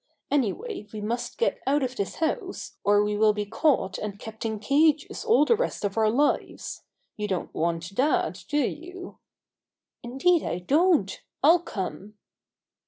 Anjrway we must get out of this house or we will be caught and kept in cages all the rest of our lives. You don't want that, do you?" "Indeed I don't! I'll come."